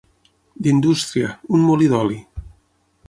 D'indústria, un molí d'oli.